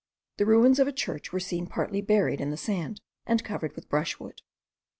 The ruins of a church were seen partly buried in the sand, and covered with brushwood.